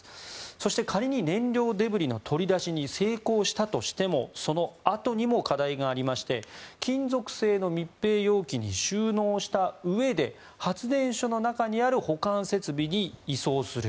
そして仮に燃料デブリの取り出しに成功したとしてもそのあとにも課題がありまして金属製の密閉容器に収納したうえで発電所の中にある保管設備に移送する。